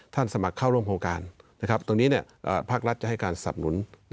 สมัครเข้าร่วมโครงการตรงนี้ภาครัฐจะให้การสนุน